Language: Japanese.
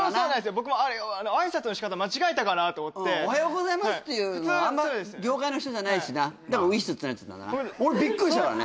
僕もあいさつの仕方間違えたかなと思って「おはようございます」っていうのあんま業界の人じゃないしなだから「ウィッス」ってなっちゃった俺びっくりしたからね